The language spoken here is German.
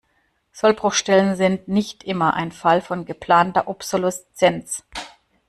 Sollbruchstellen sind nicht immer ein Fall von geplanter Obsoleszenz.